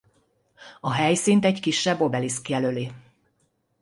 A helyszínt egy kisebb obeliszk jelöli.